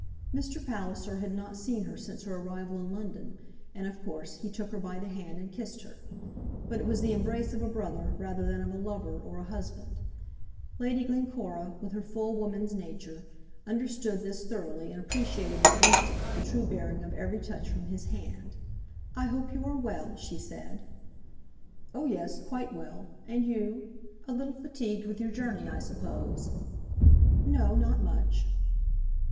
Mr. Palliser had not seen her since her arrival in London, and, of course, he took her by the hand and kissed her. But it was the embrace of a brother rather than of a lover or a husband. Lady Glencora, with her full woman's nature, understood this thoroughly, and appreciated by instinct the true bearing of every touch from his hand. "I hope you are well?" she said. "Oh, yes; quite well. And you? A little fatigued with your journey, I suppose?" "No; not much."